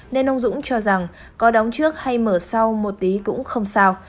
nên ông dũng cho rằng có đóng trước hay mở sau một tí cũng không sao